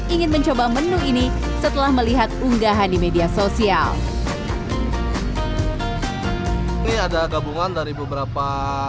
ingin mencoba menu ini setelah melihat unggahan di media sosial ini ada gabungan dari beberapa